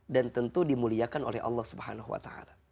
dan tentu dimuliakan oleh allah swt